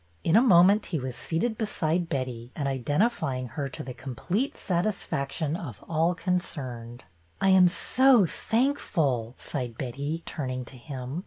In a moment he was seated beside Betty and identifying her to the complete satisfaction of all concerned. '' I am so thankful," sighed Betty, turning to him.